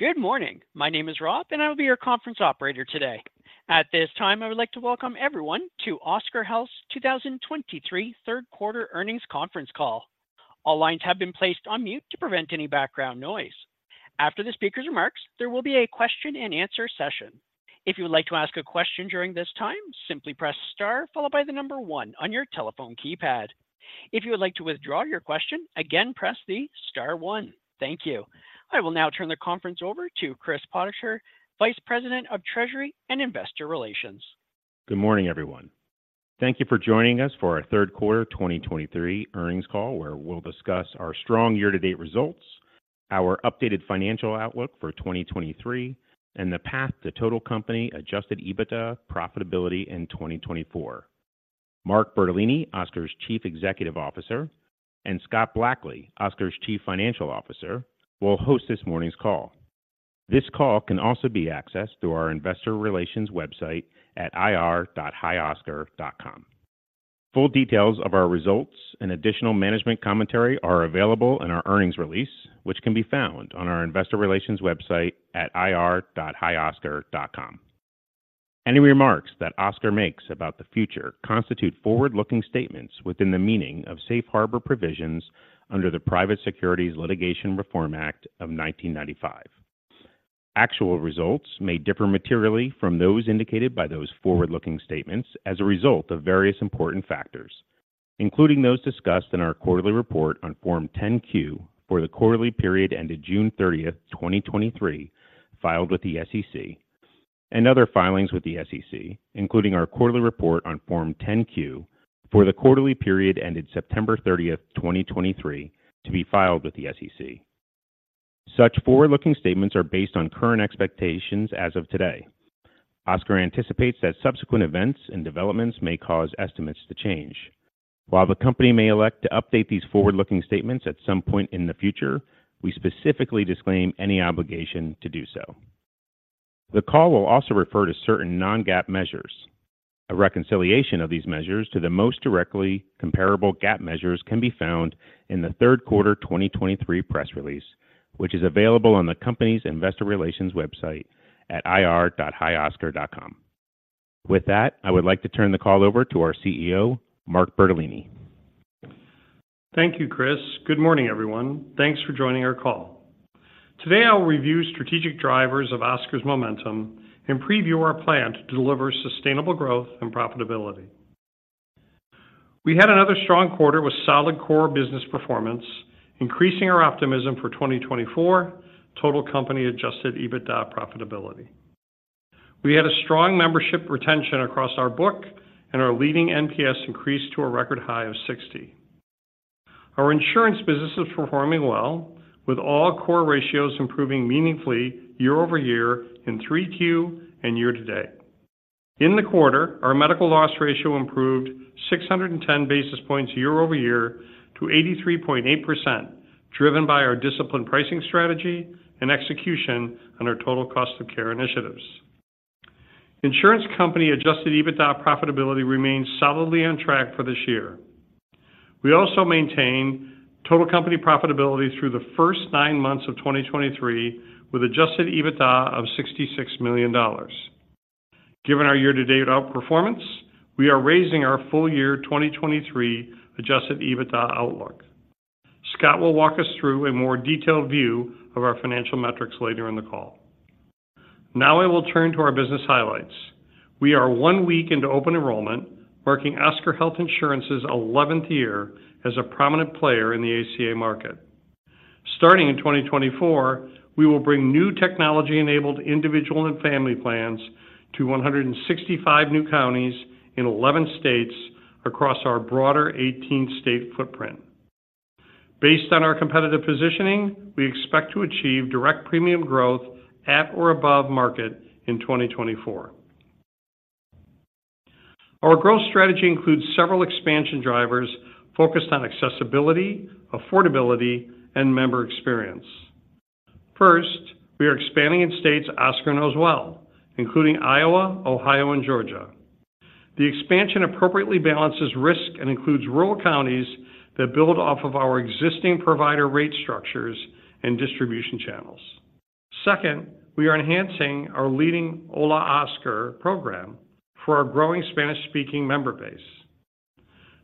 Good morning. My name is Rob, and I will be your conference operator today. At this time, I would like to welcome everyone to Oscar Health's 2023 third quarter earnings conference call. All lines have been placed on mute to prevent any background noise. After the speaker's remarks, there will be a question-and-answer session. If you would like to ask a question during this time, simply press star followed by the number one on your telephone keypad. If you would like to withdraw your question, again, press the star one. Thank you. I will now turn the conference over to Chris Potoski, Vice President of Treasury and Investor Relations. Good morning, everyone. Thank you for joining us for our third quarter 2023 earnings call, where we'll discuss our strong year-to-date results, our updated financial outlook for 2023, and the path to total company Adjusted EBITDA profitability in 2024. Mark Bertolini, Oscar's Chief Executive Officer, and Scott Blackley, Oscar's Chief Financial Officer, will host this morning's call. This call can also be accessed through our investor relations website at ir.hioscar.com. Full details of our results and additional management commentary are available in our earnings release, which can be found on our investor relations website at ir.hioscar.com. Any remarks that Oscar makes about the future constitute forward-looking statements within the meaning of Safe Harbor Provisions under the Private Securities Litigation Reform Act of 1995. Actual results may differ materially from those indicated by those forward-looking statements as a result of various important factors, including those discussed in our quarterly report on Form 10-Q for the quarterly period ended 30 June 2023, filed with the SEC, and other filings with the SEC, including our quarterly report on Form 10-Q for the quarterly period ended 30 September 2023, to be filed with the SEC. Such forward-looking statements are based on current expectations as of today. Oscar anticipates that subsequent events and developments may cause estimates to change. While the company may elect to update these forward-looking statements at some point in the future, we specifically disclaim any obligation to do so. The call will also refer to certain non-GAAP measures. A reconciliation of these measures to the most directly comparable GAAP measures can be found in the third quarter 2023 press release, which is available on the company's investor relations website at ir.hioscar.com. With that, I would like to turn the call over to our CEO, Mark Bertolini. Thank you, Chris. Good morning, everyone. Thanks for joining our call. Today, I will review strategic drivers of Oscar's momentum and preview our plan to deliver sustainable growth and profitability. We had another strong quarter with solid core business performance, increasing our optimism for 2024 total company Adjusted EBITDA profitability. We had a strong membership retention across our book, and our leading NPS increased to a record high of 60. Our insurance business is performing well, with all core ratios improving meaningfully year-over-year in Q3 and year-to-date. In the quarter, our medical loss ratio improved 610 basis points year-over-year to 83.8%, driven by our disciplined pricing strategy and execution on our total cost of care initiatives. Insurance company Adjusted EBITDA profitability remains solidly on track for this year. We also maintain total company profitability through the first nine months of 2023, with Adjusted EBITDA of $66 million. Given our year-to-date outperformance, we are raising our full year 2023 Adjusted EBITDA outlook. Scott will walk us through a more detailed view of our financial metrics later in the call. Now I will turn to our business highlights. We are one week into open enrollment, marking Oscar Health Insurance's 11th year as a prominent player in the ACA market. Starting in 2024, we will bring new technology-enabled individual and family plans to 165 new counties in 11 states across our broader 18-state footprint. Based on our competitive positioning, we expect to achieve direct premium growth at or above market in 2024. Our growth strategy includes several expansion drivers focused on accessibility, affordability, and member experience. First, we are expanding in states Oscar knows well, including Iowa, Ohio, and Georgia. The expansion appropriately balances risk and includes rural counties that build off of our existing provider rate structures and distribution channels. Second, we are enhancing our leading Hola Oscar program for our growing Spanish-speaking member base.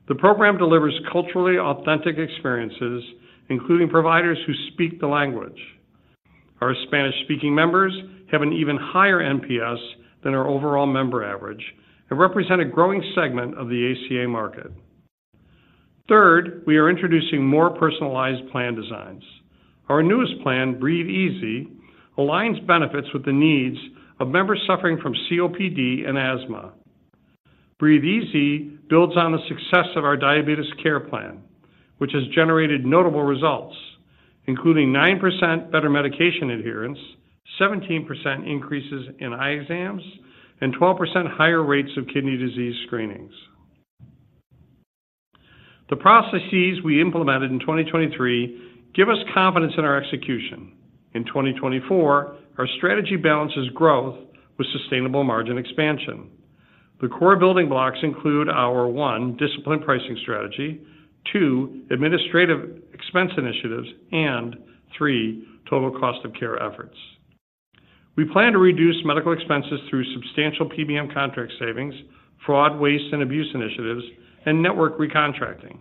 The program delivers culturally authentic experiences, including providers who speak the language. Our Spanish-speaking members have an even higher NPS than our overall member average and represent a growing segment of the ACA market. Third, we are introducing more personalized plan designs. Our newest plan, Breathe Easy, aligns benefits with the needs of members suffering from COPD and asthma. Breathe Easy builds on the success of our Diabetes Care plan, which has generated notable results, including 9% better medication adherence, 17% increases in eye exams, and 12% higher rates of kidney disease screenings. The processes we implemented in 2023 give us confidence in our execution. In 2024, our strategy balances growth with sustainable margin expansion. The core building blocks include our 1, disciplined pricing strategy, 2, administrative expense initiatives, and 3, total cost of care efforts. We plan to reduce medical expenses through substantial PBM contract savings, fraud, waste, and abuse initiatives, and network recontracting.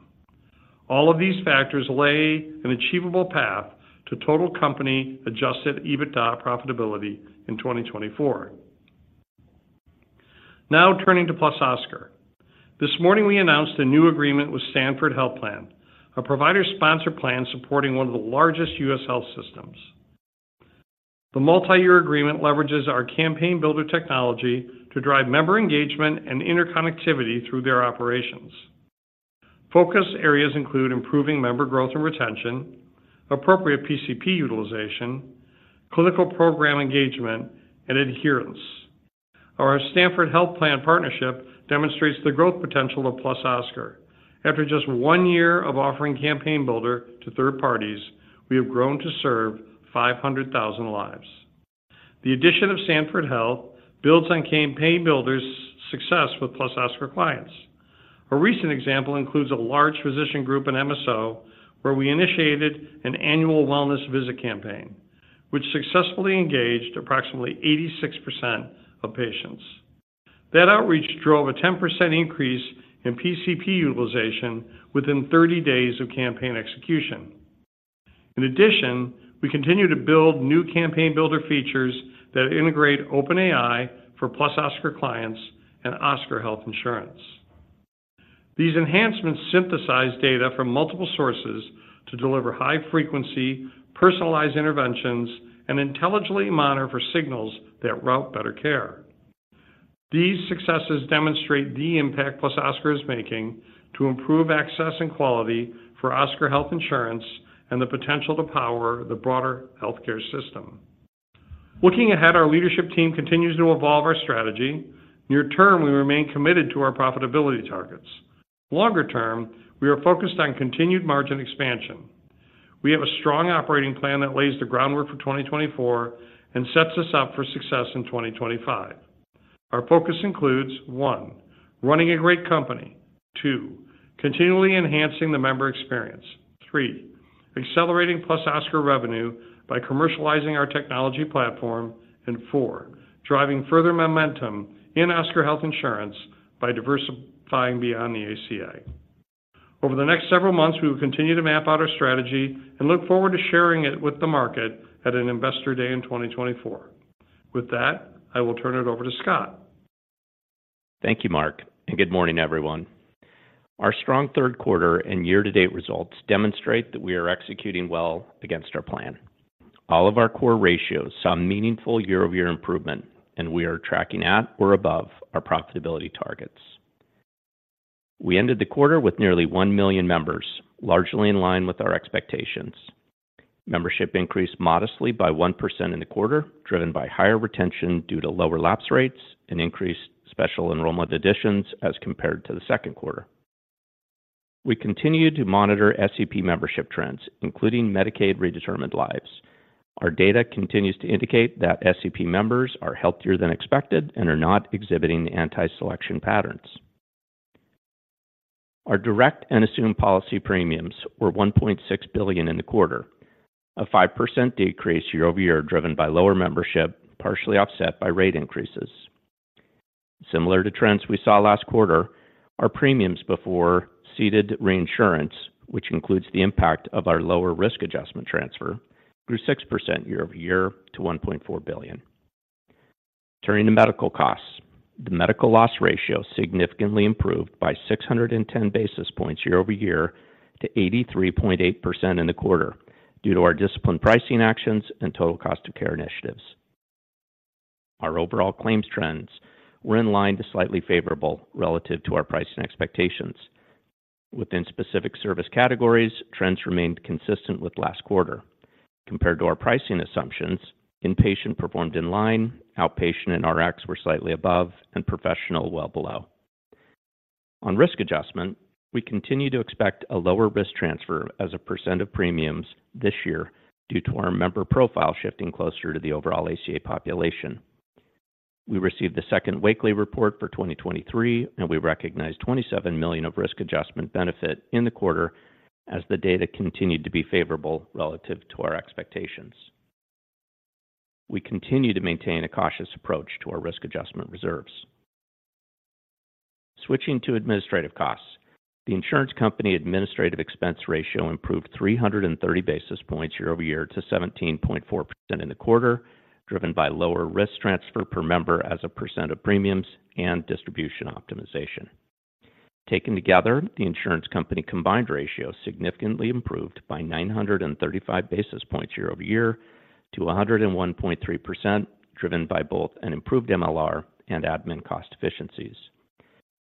All of these factors lay an achievable path to total company Adjusted EBITDA profitability in 2024. Now, turning to +Oscar. This morning, we announced a new agreement with Stanford Health Care, a provider-sponsored plan supporting one of the largest U.S. health systems. The multi-year agreement leverages our Campaign Builder technology to drive member engagement and interconnectivity through their operations. Focus areas include improving member growth and retention, appropriate PCP utilization, clinical program engagement, and adherence. Our Stanford Health Care partnership demonstrates the growth potential of +Oscar. After just one year of offering Campaign Builder to third parties, we have grown to serve 500,000 lives. The addition of Stanford Health Care builds on Campaign Builder's success with +Oscar clients. A recent example includes a large physician group and MSO, where we initiated an annual wellness visit campaign, which successfully engaged approximately 86% of patients. That outreach drove a 10% increase in PCP utilization within 30 days of campaign execution. In addition, we continue to build new Campaign Builder features that integrate OpenAI for +Oscar clients and Oscar Health Insurance. These enhancements synthesize data from multiple sources to deliver high-frequency, personalized interventions, and intelligently monitor for signals that route better care. These successes demonstrate the impact +Oscar is making to improve access and quality for Oscar Health Insurance and the potential to power the broader healthcare system. Looking ahead, our leadership team continues to evolve our strategy. Near term, we remain committed to our profitability targets. Longer term, we are focused on continued margin expansion. We have a strong operating plan that lays the groundwork for 2024 and sets us up for success in 2025. Our focus includes: 1. running a great company; 2. continually enhancing the member experience; 3. accelerating +Oscar revenue by commercializing our technology platform; and 4. driving further momentum in Oscar Health Insurance by diversifying beyond the ACA. Over the next several months, we will continue to map out our strategy and look forward to sharing it with the market at an Investor Day in 2024. With that, I will turn it over to Scott. Thank you, Mark, and good morning, everyone. Our strong third quarter and year-to-date results demonstrate that we are executing well against our plan. All of our core ratios saw meaningful year-over-year improvement, and we are tracking at or above our profitability targets. We ended the quarter with nearly 1 million members, largely in line with our expectations. Membership increased modestly by 1% in the quarter, driven by higher retention due to lower lapse rates and increased special enrollment additions as compared to the second quarter. We continue to monitor SEP membership trends, including Medicaid redetermined lives. Our data continues to indicate that SEP members are healthier than expected and are not exhibiting adverse selection patterns. Our direct and assumed policy premiums were $1.6 billion in the quarter, a 5% decrease year-over-year, driven by lower membership, partially offset by rate increases. Similar to trends we saw last quarter, our premiums before ceded reinsurance, which includes the impact of our lower risk adjustment transfer, grew 6% year-over-year to $1.4 billion. Turning to medical costs, the medical loss ratio significantly improved by 610 basis points year-over-year to 83.8% in the quarter due to our disciplined pricing actions and total cost of care initiatives. Our overall claims trends were in line to slightly favorable relative to our pricing expectations. Within specific service categories, trends remained consistent with last quarter. Compared to our pricing assumptions, inpatient performed in line, outpatient and Rx were slightly above, and professional, well below. On risk adjustment, we continue to expect a lower risk transfer as a percent of premiums this year due to our member profile shifting closer to the overall ACA population. We received the second Wakely report for 2023, and we recognized $27 million of risk adjustment benefit in the quarter as the data continued to be favorable relative to our expectations. We continue to maintain a cautious approach to our risk adjustment reserves. Switching to administrative costs. The insurance company administrative expense ratio improved 330 basis points year-over-year to 17.4% in the quarter, driven by lower risk transfer per member as a percent of premiums and distribution optimization. Taken together, the insurance company combined ratio significantly improved by 935 basis points year-over-year to 101.3%, driven by both an improved MLR and admin cost efficiencies.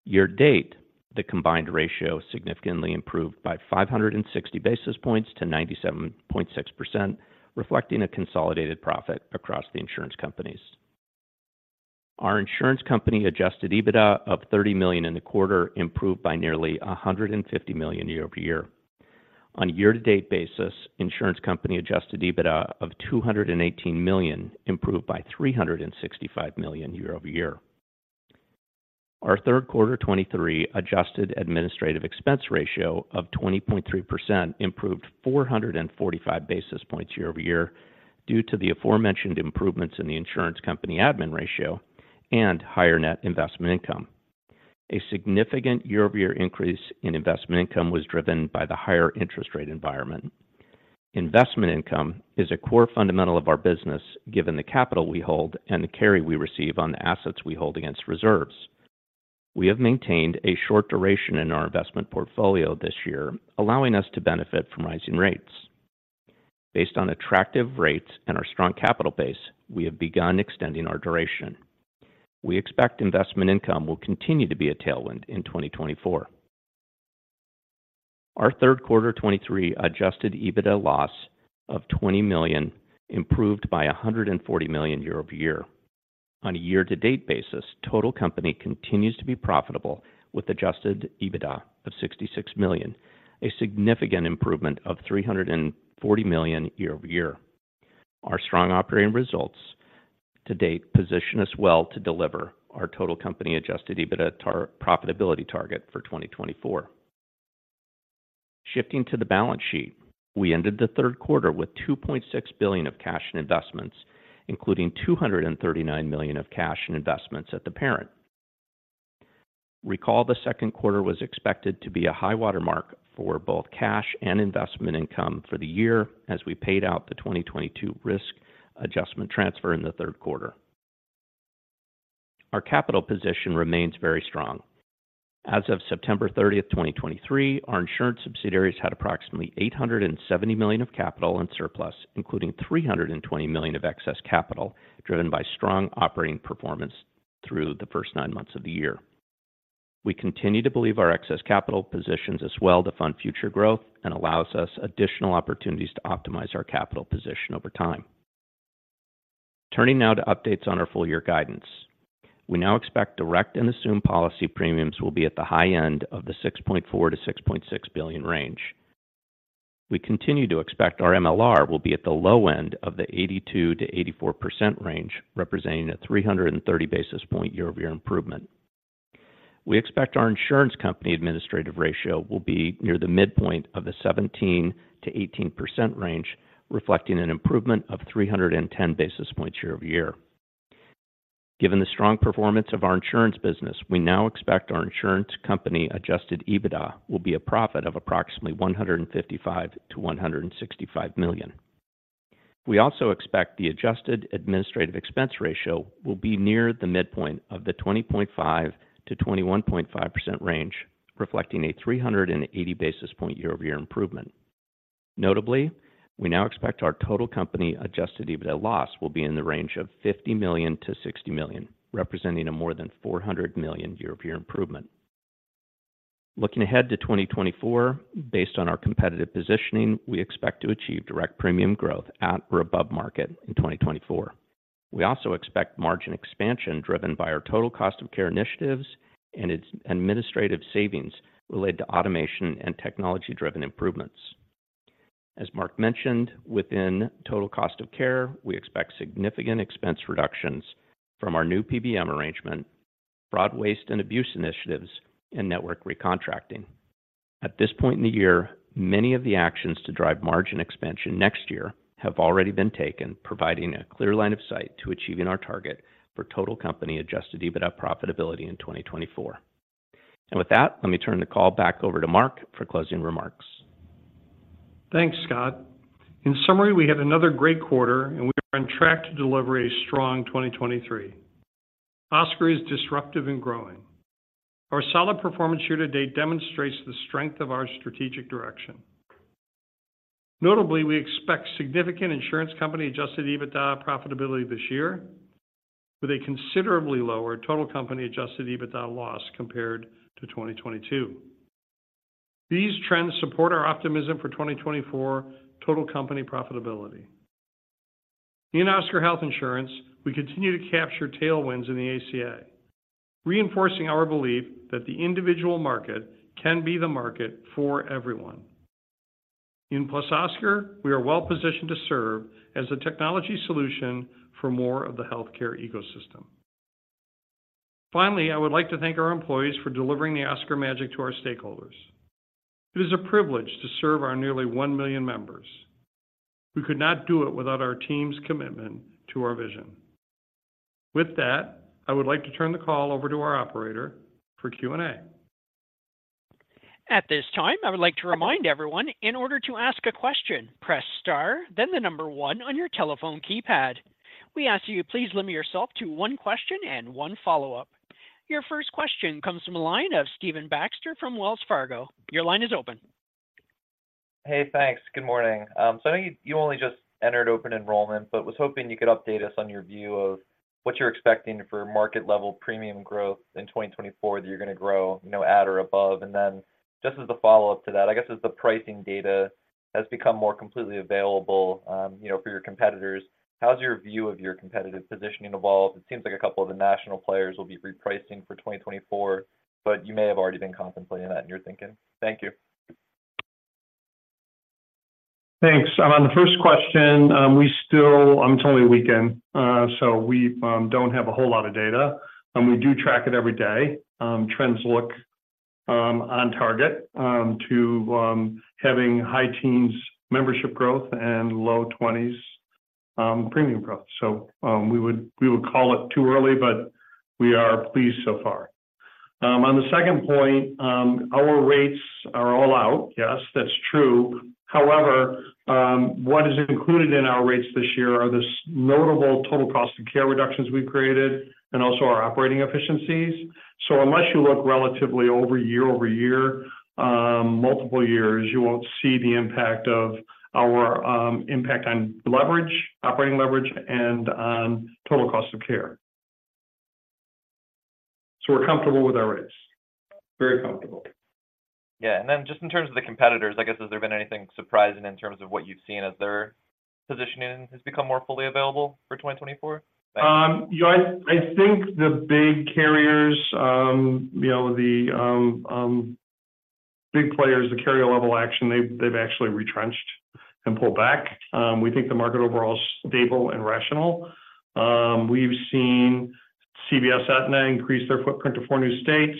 Year to date, the combined ratio significantly improved by 560 basis points to 97.6%, reflecting a consolidated profit across the insurance companies. Our insurance company Adjusted EBITDA of $30 million in the quarter improved by nearly $150 million year-over-year. On a year-to-date basis, insurance company Adjusted EBITDA of $218 million, improved by $365 million year-over-year. Our third quarter 2023 adjusted administrative expense ratio of 20.3% improved 445 basis points year-over-year, due to the aforementioned improvements in the insurance company admin ratio and higher net investment income. A significant year-over-year increase in investment income was driven by the higher interest rate environment. Investment income is a core fundamental of our business, given the capital we hold and the carry we receive on the assets we hold against reserves. We have maintained a short duration in our investment portfolio this year, allowing us to benefit from rising rates. Based on attractive rates and our strong capital base, we have begun extending our duration. We expect investment income will continue to be a tailwind in 2024. Our third quarter 2023 adjusted EBITDA loss of $20 million improved by $140 million year-over-year. On a year-to-date basis, total company continues to be profitable, with adjusted EBITDA of $66 million, a significant improvement of $340 million year-over-year. Our strong operating results to date position us well to deliver our total company adjusted EBITDA profitability target for 2024. Shifting to the balance sheet, we ended the third quarter with $2.6 billion of cash and investments, including $239 million of cash and investments at the parent. Recall, the second quarter was expected to be a high water mark for both cash and investment income for the year, as we paid out the 2022 risk adjustment transfer in the third quarter. Our capital position remains very strong. As of 30 September 2023, our insurance subsidiaries had approximately $870 million of capital and surplus, including $320 million of excess capital, driven by strong operating performance through the first nine months of the year. We continue to believe our excess capital positions us well to fund future growth and allows us additional opportunities to optimize our capital position over time. Turning now to updates on our full year guidance. We now expect direct and assumed policy premiums will be at the high end of the $6.4 billion-$6.6 billion range. We continue to expect our MLR will be at the low end of the 82%-84% range, representing a 330 basis point year-over-year improvement. We expect our insurance company administrative ratio will be near the midpoint of the 17%-18% range, reflecting an improvement of 310 basis points year-over-year. Given the strong performance of our insurance business, we now expect our insurance company Adjusted EBITDA will be a profit of approximately $155 million-$165 million. We also expect the adjusted administrative expense ratio will be near the midpoint of the 20.5%-21.5% range, reflecting a 380 basis point year-over-year improvement. Notably, we now expect our total company Adjusted EBITDA loss will be in the range of $50 million-$60 million, representing a more than $400 million year-over-year improvement. Looking ahead to 2024, based on our competitive positioning, we expect to achieve direct premium growth at or above market in 2024. We also expect margin expansion driven by our total cost of care initiatives and its administrative savings related to automation and technology-driven improvements. As Mark mentioned, within total cost of care, we expect significant expense reductions from our new PBM arrangement, fraud, waste, and abuse initiatives, and network recontracting. At this point in the year, many of the actions to drive margin expansion next year have already been taken, providing a clear line of sight to achieving our target for total company Adjusted EBITDA profitability in 2024. With that, let me turn the call back over to Mark for closing remarks. Thanks, Scott. In summary, we had another great quarter, and we are on track to deliver a strong 2023. Oscar is disruptive and growing. Our solid performance year to date demonstrates the strength of our strategic direction. Notably, we expect significant insurance company Adjusted EBITDA profitability this year, with a considerably lower total company Adjusted EBITDA loss compared to 2022. These trends support our optimism for 2024 total company profitability. In Oscar Health Insurance, we continue to capture tailwinds in the ACA, reinforcing our belief that the individual market can be the market for everyone. In +Oscar, we are well positioned to serve as a technology solution for more of the healthcare ecosystem. Finally, I would like to thank our employees for delivering the Oscar magic to our stakeholders. It is a privilege to serve our nearly 1 million members. We could not do it without our team's commitment to our vision. With that, I would like to turn the call over to our operator for Q&A. At this time, I would like to remind everyone, in order to ask a question, press star, then the number one on your telephone keypad. We ask you, please limit yourself to one question and one follow-up. Your first question comes from a line of Stephen Baxter from Wells Fargo. Your line is open. Hey, thanks. Good morning. So I know you, you only just entered open enrollment, but was hoping you could update us on your view of what you're expecting for market-level premium growth in 2024, that you're going to grow at or above. And then, just as a follow-up to that, I guess, as the pricing data has become more completely available, you know, for your competitors, how's your view of your competitive positioning evolved? It seems like a couple of the national players will be repricing for 2024, but you may have already been contemplating that in your thinking. Thank you. Thanks. On the first question, we still, it's only a weekend, so we don't have a whole lot of data, and we do track it every day. Trends look on target to having high teens membership growth and low twenties premium growth. So we would call it too early, but we are pleased so far. On the second point, our rates are all out. Yes, that's true. However, what is included in our rates this year are this notable total cost of care reductions we've created and also our operating efficiencies. So unless you look relatively year-over-year multiple years, you won't see the impact of our impact on leverage, operating leverage, and on total cost of care. So we're comfortable with our rates. Very comfortable. Yeah. Just in terms of the competitors, I guess, has there been anything surprising in terms of what you've seen as their positioning has become more fully available for 2024? Yeah, I think the big carriers, you know, the big players, the carrier level action, they've actually retrenched and pulled back. We think the market overall is stable and rational. We've seen CVS Aetna increase their footprint to four new states,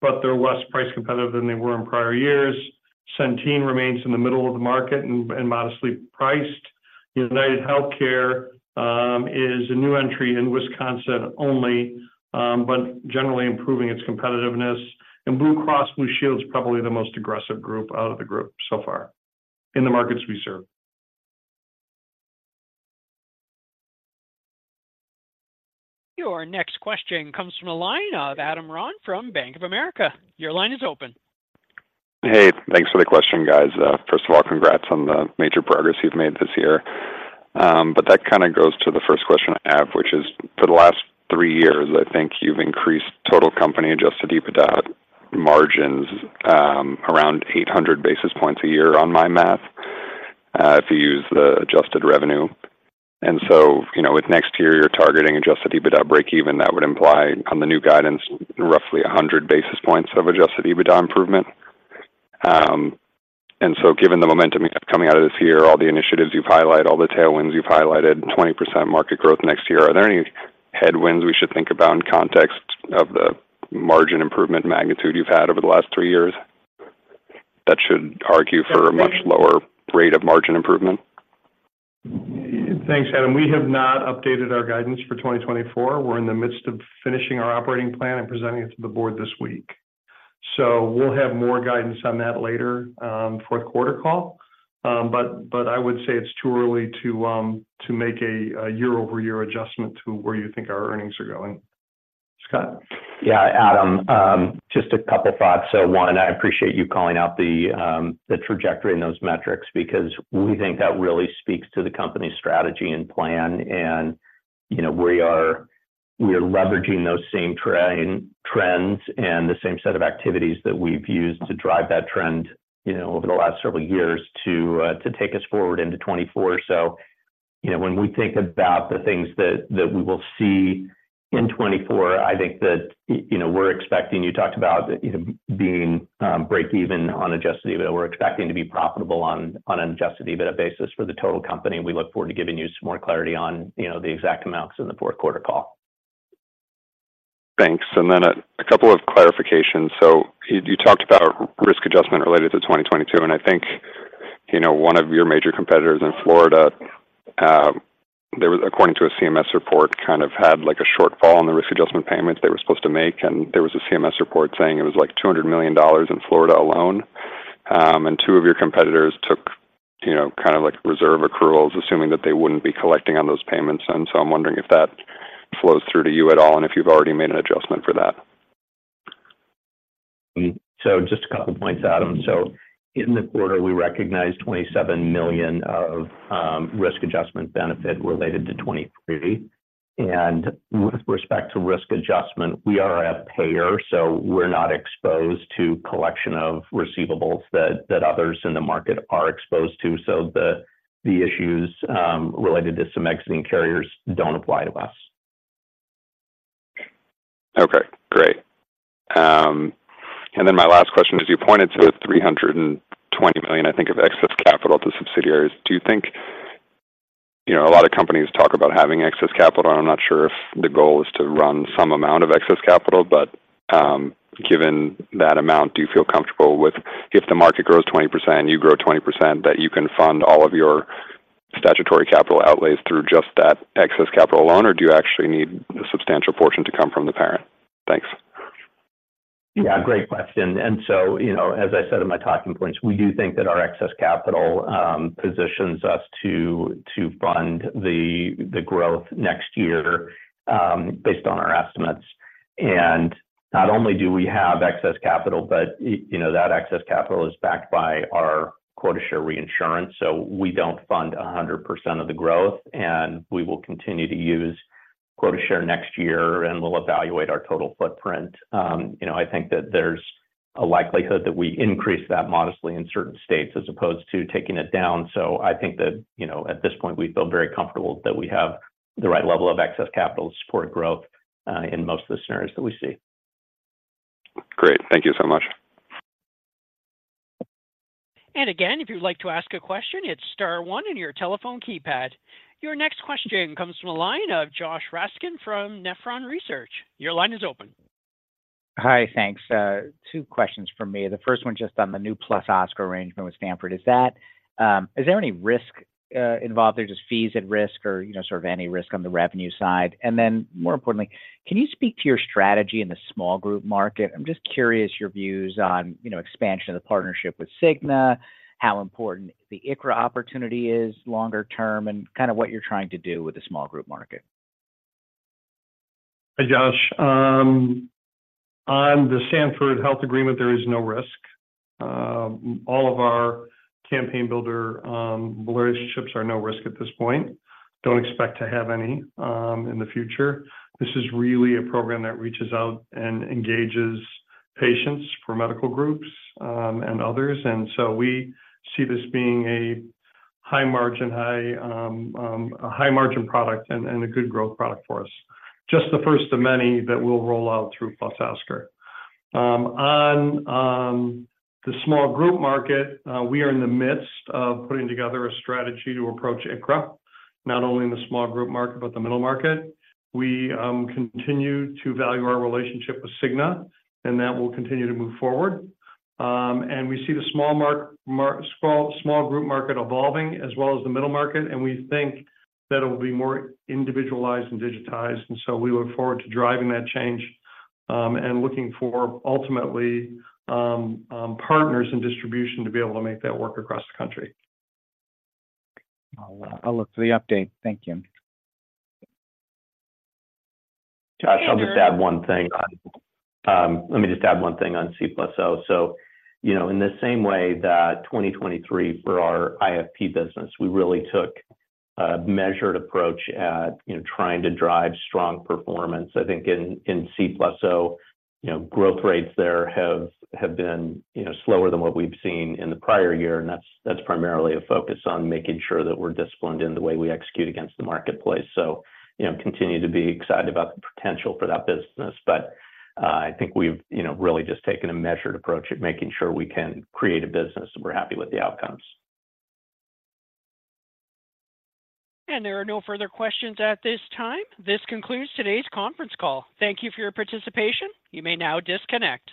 but they're less price competitive than they were in prior years. Centene remains in the middle of the market and modestly priced. UnitedHealthcare is a new entry in Wisconsin only, but generally improving its competitiveness. And Blue Cross Blue Shield is probably the most aggressive group out of the group so far in the markets we serve. Your next question comes from the line of Adam Ron from Bank of America. Your line is open. Hey, thanks for the question, guys. First of all, congrats on the major progress you've made this year. But that kind of goes to the first question I have, which is, for the last three years, I think you've increased total company Adjusted EBITDA margins, around 800 basis points a year on my math, if you use the adjusted revenue. And so, you know, with next year, you're targeting Adjusted EBITDA breakeven, that would imply on the new guidance, roughly 100 basis points of Adjusted EBITDA improvement. And so given the momentum coming out of this year, all the initiatives you've highlighted, all the tailwinds you've highlighted, 20% market growth next year, are there any headwinds we should think about in context of the margin improvement magnitude you've had over the last three years, that should argue for a much lower rate of margin improvement? Thanks, Adam. We have not updated our guidance for 2024. We're in the midst of finishing our operating plan and presenting it to the board this week. So we'll have more guidance on that later, fourth quarter call. But I would say it's too early to make a year-over-year adjustment to where you think our earnings are going. Scott? Yeah, Adam, just a couple of thoughts. So one, I appreciate you calling out the trajectory in those metrics, because we think that really speaks to the company's strategy and plan. And, you know, we are leveraging those same trends and the same set of activities that we've used to drive that trend, you know, over the last several years to take us forward into 2024. So, you know, when we think about the things that we will see in 2024, I think that you know, we're expecting. You talked about, you know, being breakeven on Adjusted EBITDA. We're expecting to be profitable on an Adjusted EBITDA basis for the total company. We look forward to giving you some more clarity on, you know, the exact amounts in the fourth quarter call. Thanks. Then a couple of clarifications. So you talked about risk adjustment related to 2022, and I think, you know, one of your major competitors in Florida, they were, according to a CMS report, kind of had like a shortfall on the risk adjustment payments they were supposed to make, and there was a CMS report saying it was like $200 million in Florida alone. And two of your competitors took, you know, kind of like reserve accruals, assuming that they wouldn't be collecting on those payments. So I'm wondering if that flows through to you at all, and if you've already made an adjustment for that. So just a couple points, Adam. So in the quarter, we recognized $27 million of risk adjustment benefit related to 2023. And with respect to risk adjustment, we are a payer, so we're not exposed to collection of receivables that others in the market are exposed to. So the issues related to some exiting carriers don't apply to us. Okay, great. And then my last question is, you pointed to $320 million, I think, of excess capital to subsidiaries. Do you think you know, a lot of companies talk about having excess capital, and I'm not sure if the goal is to run some amount of excess capital, but, given that amount, do you feel comfortable with, if the market grows 20%, you grow 20%, that you can fund all of your statutory capital outlays through just that excess capital alone, or do you actually need a substantial portion to come from the parent? Thanks. Yeah, great question. And so, you know, as I said in my talking points, we do think that our excess capital positions us to fund the growth next year based on our estimates. And not only do we have excess capital, but you know, that excess capital is backed by our quota share reinsurance, so we don't fund 100% of the growth, and we will continue to use quota share next year, and we'll evaluate our total footprint. You know, I think that there's a likelihood that we increase that modestly in certain states, as opposed to taking it down. So I think that, you know, at this point, we feel very comfortable that we have the right level of excess capital to support growth in most of the scenarios that we see. Great. Thank you so much. And again, if you'd like to ask a question, it's star one on your telephone keypad. Your next question comes from the line of Josh Raskin from Nephron Research. Your line is open. Hi, thanks. Two questions from me. The first one just on the new +Oscar arrangement with Stanford, is that, is there any risk involved there, just fees at risk or, you know, sort of any risk on the revenue side? And then, more importantly, can you speak to your strategy in the small group market? I'm just curious your views on, you know, expansion of the partnership with Cigna, how important the ICHRA opportunity is longer term, and kind of what you're trying to do with the small group market. Hi, Josh. On the Stanford Health Care agreement, there is no risk. All of our Campaign Builder relationships are no risk at this point. Don't expect to have any in the future. This is really a program that reaches out and engages patients for medical groups and others. And so we see this being a high margin, high, a high margin product and a good growth product for us. Just the first of many that we'll roll out through +Oscar. On the small group market, we are in the midst of putting together a strategy to approach ICHRA, not only in the small group market, but the middle market. We continue to value our relationship with Cigna, and that will continue to move forward. We see the small group market evolving, as well as the middle market, and we think that it will be more individualized and digitized, and so we look forward to driving that change, and looking for, ultimately, partners in distribution to be able to make that work across the country. I'll look for the update. Thank you. Josh, I'll just add one thing on. Let me just add one thing on C+O. So, you know, in the same way that 2023 for our IFP business, we really took a measured approach at, you know, trying to drive strong performance. I think in, in C+O, you know, growth rates there have, have been, you know, slower than what we've seen in the prior year, and that's, that's primarily a focus on making sure that we're disciplined in the way we execute against the marketplace. So, you know, continue to be excited about the potential for that business. But, I think we've, you know, really just taken a measured approach at making sure we can create a business, and we're happy with the outcomes. There are no further questions at this time. This concludes today's conference call. Thank you for your participation. You may now disconnect.